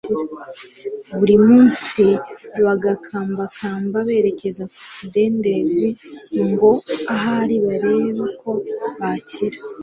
buri munsi bagakambakamba berekeza ku kidendezi ngo ahari bareba ko bakira,